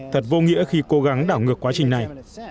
thật vô nghĩa khi cố gắng đảo ngược quá trình này